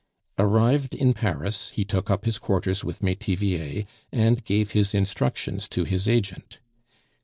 Arrived in Paris, he took up his quarters with Metivier, and gave his instructions to his agent.